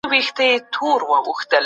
کله چې خپل هېواد ته ځي له ځان سره یې وړي.